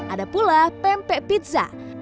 ada pula pempek pizza